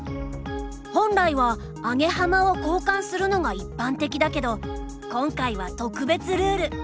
本来はアゲハマを交換するのが一般的だけど今回は特別ルール。